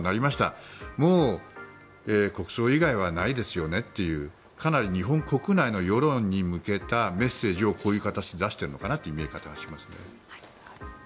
もう国葬以外はないですよねというかなり日本国内の世論に向けたメッセージをこういう形で出しているのかなという見え方がしますね。